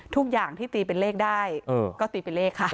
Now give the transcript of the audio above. ทุกอย่างที่ตีเป็นเลขได้ก็ตีเป็นเลขค่ะ